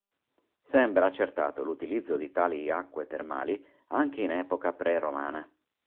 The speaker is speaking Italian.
Sembra accertato l'utilizzo di tali acque termali anche in epoca pre-romana.